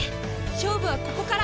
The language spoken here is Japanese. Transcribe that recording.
勝負はここから！